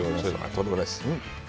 とんでもないです。